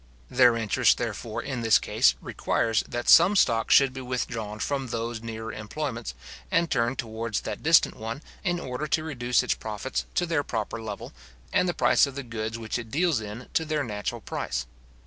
Their interest, therefore, in this case, requires, that some stock should be withdrawn from those nearer employments, and turned towards that distant one, in order to reduce its profits to their proper level, and the price of the goods which it deals in to their natural price.